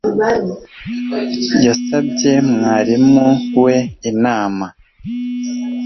Yasabye mwarimu we inama